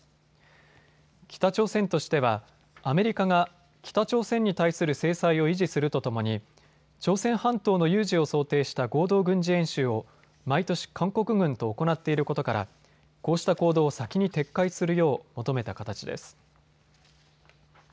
北朝鮮としてはアメリカが北朝鮮に対する制裁を維持するとともに朝鮮半島の有事を想定した合同軍事演習を毎年、韓国軍と行っていることからこうした行動を先に撤回するよう求めた形です。